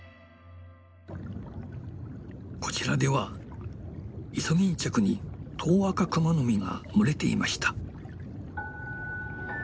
こちらではイソギンチャクにトウアカクマノミが群れていました。